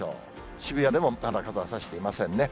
渋谷でもまだ傘は差していませんね。